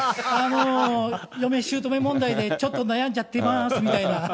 嫁しゅうとめ問題で、ちょっと悩んじゃっていまーすみたいな。